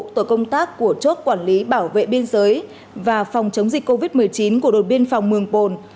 tổ công tác của chốt quản lý bảo vệ biên giới và phòng chống dịch covid một mươi chín của đồn biên phòng mường bồn